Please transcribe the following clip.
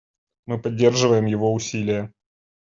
Мы поддерживаем его усилия.